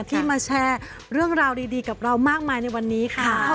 ที่มาแชร์เรื่องราวดีกับเรามากมายในวันนี้ค่ะ